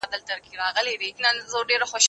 زه پرون زده کړه وکړه؟